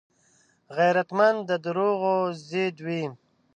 غیرتمند د دروغو ضد وي